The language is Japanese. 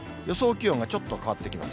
気温がちょっと変わってきます。